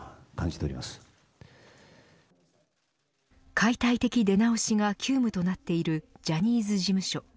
解体的出直しが急務となっているジャニーズ事務所